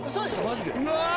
マジで？